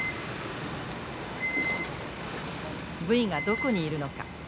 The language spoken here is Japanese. ブイがどこにいるのか？